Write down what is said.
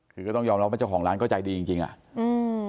คือก็ต้องยอมรับว่าเจ้าของร้านก็ใจดีจริงจริงอ่ะอืม